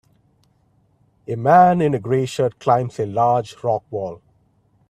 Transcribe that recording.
A man in a gray shirt climbs a large rock wall.